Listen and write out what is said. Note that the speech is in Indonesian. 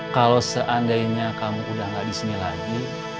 kalau seandainya kamu udah gak disini lagi